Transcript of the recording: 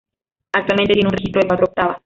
Actualmente tiene un registro de cuatro octavas.